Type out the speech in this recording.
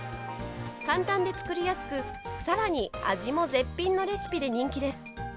簡単で作りやすくさらに味も絶品のレシピで人気です。